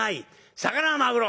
魚はマグロ！